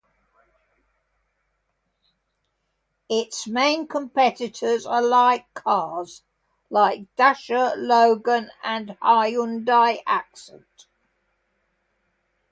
Its main competitors are cars like the Dacia Logan and Hyundai Accent.